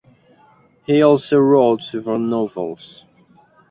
He also wrote several novels.